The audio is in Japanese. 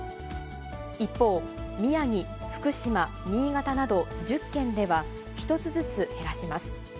一方、宮城、福島、新潟など１０県では、１つずつ減らします。